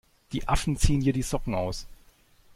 Die Affen ziehen dir die Socken aus!